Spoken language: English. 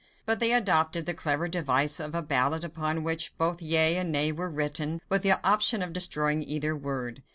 But they adopted the clever device of a ballot upon which both yea and nay were written, with the option of destroying either word.